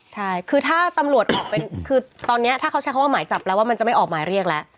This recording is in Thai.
ใช่คือถ้าตำรวจออกเป็นคือตอนนี้ถ้าเขาใช้คำว่าหมายจับแล้วว่ามันจะไม่ออกหมายเรียกแล้ว